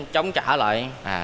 chống trả lại